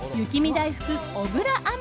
だいふく小倉あん